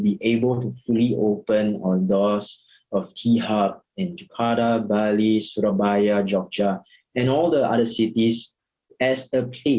dan segera kita akan dapat membuka pintu t hub di jakarta bali surabaya jogja dan semua kota lainnya